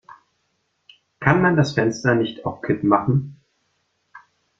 Kann man das Fenster nicht auf Kipp machen?